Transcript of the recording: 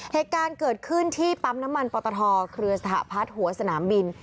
เหตุการณ์เกิดขึ้นที่ปั๊มน้ำมันปตทเครือสหพัฒน์หัวสนามบิน